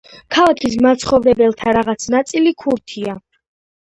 ქალაქის მაცხოვრებელთა რაღაც ნაწილი ქურთია.